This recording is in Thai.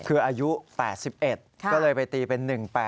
คืออายุ๘๑ก็เลยไปตีเป็น๑๘